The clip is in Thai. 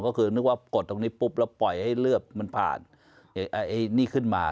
ก็คือนึกว่ากดตรงนี้ปุ๊บแล้วปล่อยให้เลือดมันผ่านไอ้นี่ขึ้นมา